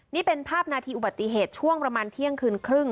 นี่เป็นภาพนาทีอุบัติเหตุช่วงประมาณเที่ยงคืนครึ่ง